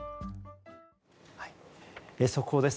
速報です。